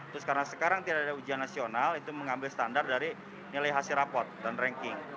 terus karena sekarang tidak ada ujian nasional itu mengambil standar dari nilai hasil raport dan ranking